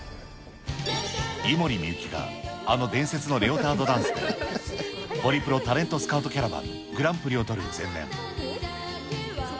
井森美幸があの伝説のレオタードダンスで、ホリプロタレントスカウトキャラバングランプリを取る前年。